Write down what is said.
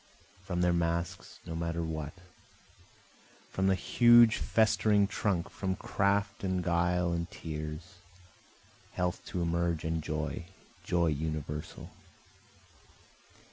Forth from their masks, no matter what, From the huge festering trunk, from craft and guile and tears, Health to emerge and joy, joy universal.